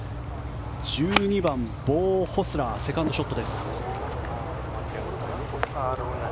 １２番、ボウ・ホスラーセカンドショットです。